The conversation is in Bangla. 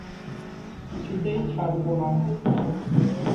কিছুতেই ছাড়ব না।